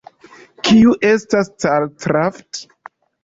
Kiu estas Calcraft?